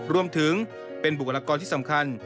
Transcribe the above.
รวมถึงเป็นบุคลากรที่สำคัญ